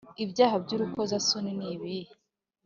Ibyaha by’urukozasoni ni ibihe?